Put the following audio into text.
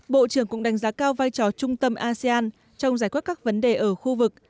bộ trưởng cũng đánh giá cao vai trò trung tâm asean trong giải quyết các vấn đề ở khu vực